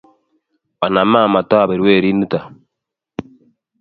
onama matabir werit nito